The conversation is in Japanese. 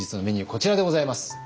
こちらでございます。